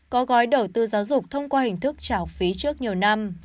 có gói đầu tư giáo dục thông qua hình thức trả phí trước nhiều năm